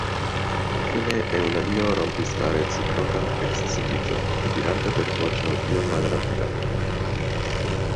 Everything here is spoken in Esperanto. Fine Eŭlalio rompis la reciprokan ekscitiĝon, dirante per voĉo iom malrapida: